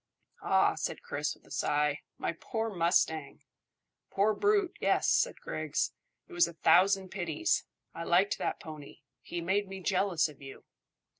"Ah," said Chris, with a sigh. "My poor mustang!" "Poor brute, yes," said Griggs. "It was a thousand pities. I liked that pony. He made me jealous of you."